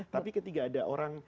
tapi ketika ada orang